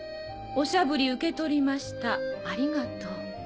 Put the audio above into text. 「おしゃぶり受け取りましたありがとう」。